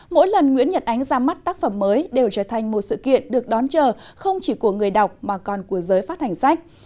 mỗi lần nguyễn nhật ánh ra mắt tác phẩm mới đều trở thành một sự kiện được đón chờ không chỉ của người đọc mà còn của giới phát hành sách